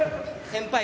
先輩